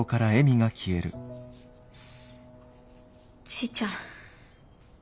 じいちゃん